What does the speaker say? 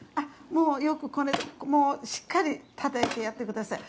もうよく、しっかりたたいてやってください。